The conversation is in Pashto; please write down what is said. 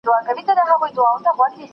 اوه ښا! سمه ده، هماغه بیا هم غواړم.